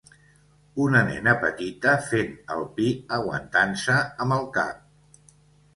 Una nena petita fent el pi aguantant-se amb el cap.